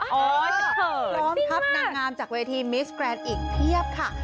พร้อมทับนางงามจากเวทีมิสแกรนด์อีกเพียบค่ะ